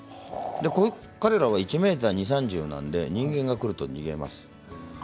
彼らは１ｍ２０、３０ｃｍなので人間が来ると逃げます。